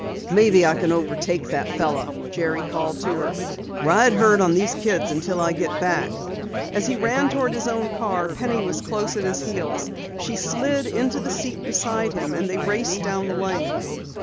"Maybe I can overtake that fellow," Jerry called to her. "Ride herd on these kids until I get back!" As he ran toward his own car, Penny was close at his heels. She slid into the seat beside him and they raced down the lane.